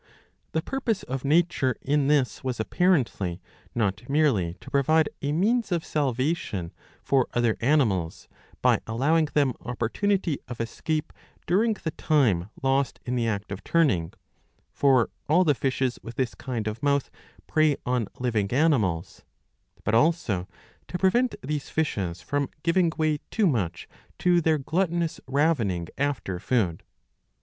The purpose of nature in this was apparently not merely to provide a means of salvation for other animals, by allowing them opportunity of escape during the time lost in the act of turning — for all the fishes with this kind of mouth prey on living animals — but also to prevent these fishes from giving way too much to their gluttonous ravening after food.